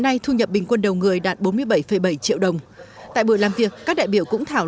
nay thu nhập bình quân đầu người đạt bốn mươi bảy bảy triệu đồng tại buổi làm việc các đại biểu cũng thảo